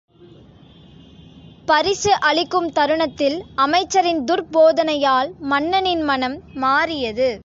பரிசு அளிக்கும் தருணத்தில் அமைச்சரின் துர்ப்போதனையால் மன்னனின் மனம் மாறியது.